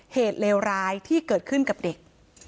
เลวร้ายที่เกิดขึ้นกับเด็ก